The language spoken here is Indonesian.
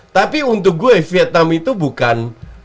tapi untuk gue vietnam itu bukan